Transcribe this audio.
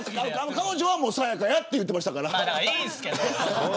彼女は、さや香だって言ってましたから。